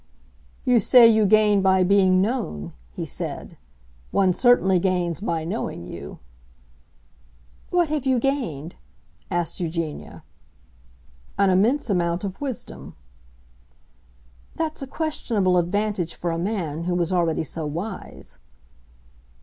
"You say you gain by being known," he said. "One certainly gains by knowing you." "What have you gained?" asked Eugenia. "An immense amount of wisdom." "That's a questionable advantage for a man who was already so wise!"